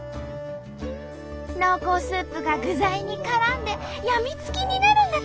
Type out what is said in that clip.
濃厚スープが具材にからんで病みつきになるんだとか。